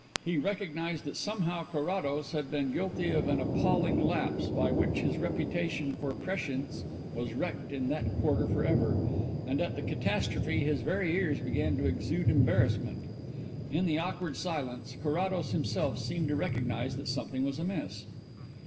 He recognized that somehow Carrados had been guilty of an appalling lapse, by which his reputation for prescience was wrecked in that quarter for ever, and at the catastrophe his very ears began to exude embarrassment. In the awkward silence Carrados himself seemed to recognize that something was amiss.